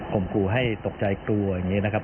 ครูให้ตกใจกลัวอย่างนี้นะครับ